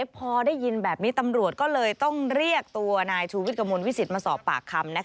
พอได้ยินแบบนี้ตำรวจก็เลยต้องเรียกตัวนายชูวิทย์กระมวลวิสิตมาสอบปากคำ